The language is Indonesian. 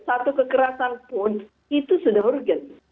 satu kekerasan pun itu sudah urgent